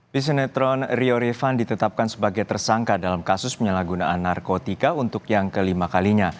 pesenetron rio rifan ditetapkan sebagai tersangka dalam kasus penyalahgunaan narkotika untuk yang kelima kalinya